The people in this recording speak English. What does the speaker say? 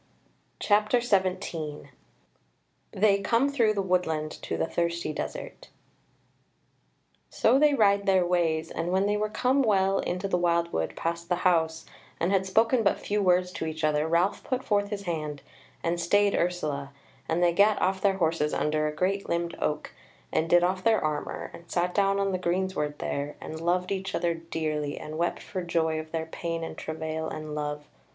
CHAPTER 17 They Come Through the Woodland to the Thirsty Desert So they ride their ways, and when they were come well into the wildwood past the house, and had spoken but few words to each other, Ralph put forth his hand, and stayed Ursula, and they gat off their horses under a great limbed oak, and did off their armour, and sat down on the greensward there, and loved each other dearly, and wept for joy of their pain and travail and love.